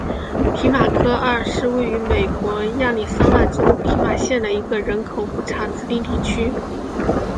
皮马科二是位于美国亚利桑那州皮马县的一个人口普查指定地区。